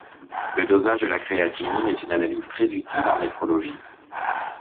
Le dosage de la créatinine est une analyse très utile en néphrologie.